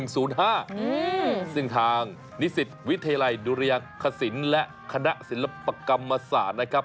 ซึ่งทางนิสิตวิทยาลัยดุริยากศิลป์และคณะศิลปกรรมศาสตร์นะครับ